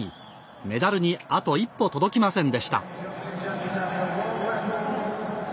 メダルにあと一歩届きませんでした。